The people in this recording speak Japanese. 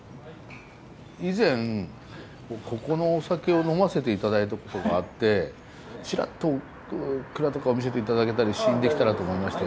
以前ここのお酒を飲ませて頂いたことがあってちらっと蔵とかを見せて頂けたり試飲できたらと思いまして。